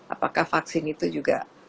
apakah vaksin itu juga